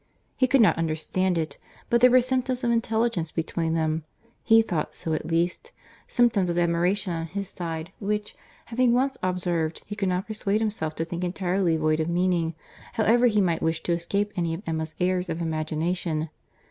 He could not understand it; but there were symptoms of intelligence between them—he thought so at least—symptoms of admiration on his side, which, having once observed, he could not persuade himself to think entirely void of meaning, however he might wish to escape any of Emma's errors of imagination.